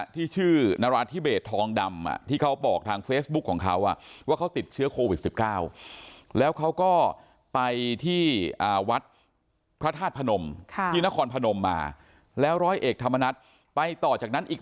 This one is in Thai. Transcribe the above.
พระธาตุภนมที่นครภนมมาแล้วร้อยเอกธรรมนัดไปต่อจากนั้นอีก